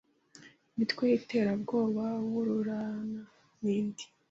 imitwe y’iterabwoba nk’Urunana nindi